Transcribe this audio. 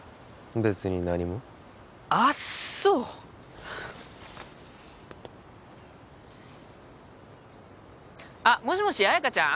別に何もあっそうあっもしもし綾華ちゃん？